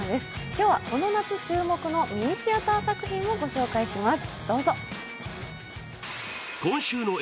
今日は、この夏注目のミニシアター作品を紹介します。